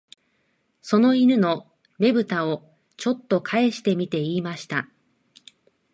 その犬の眼ぶたを、ちょっとかえしてみて言いました